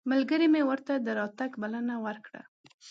ملګري مې ورته د راتګ بلنه ورکړه.